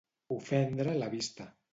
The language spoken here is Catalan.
Ofendre la vista.